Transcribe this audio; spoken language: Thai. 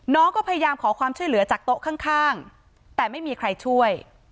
น้องก็พยายามขอความช่วยเหลือจากโต๊ะข้างแต่ไม่มีใครช่วย